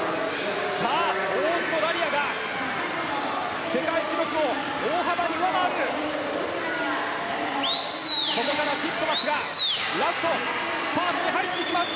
オーストラリアが世界記録を大幅に上回ってここからティットマスがラストスパートに入ってきます。